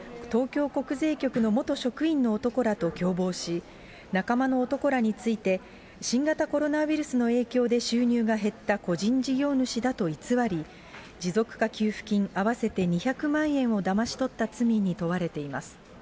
佐藤りんか被告はおととし、東京国税局の元職員の男らと共謀し、仲間の男らについて、新型コロナウイルスの影響で収入が減った個人事業主だと偽り、持続化給付金合わせて２００万円をだまし取った罪に問われています。